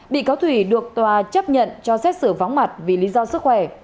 bị cáo thủy được tòa chấp nhận cho xét xử vắng mặt vì lý do sức khỏe